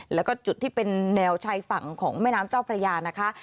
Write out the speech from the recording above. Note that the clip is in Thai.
แล้วก็จุดที่เป็นแนวชายฝั่งของแม่น้ำเจ้าพระยานะคะ